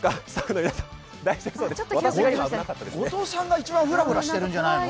後藤さんが一番ふらふらしているんじゃないの？